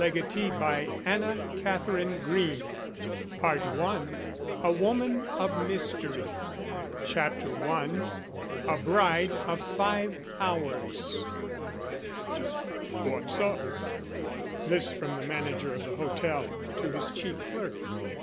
Green Rohlfs] THE CHIEF LEGATEE PART I A Woman of Mystery CHAPTER I A BRIDE OF FIVE HOURS "What's up?" This from the manager of the Hotel to his chief clerk.